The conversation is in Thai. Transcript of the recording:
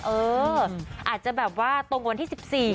เอออาจจะแบบว่าตรงกับวันที่๑๔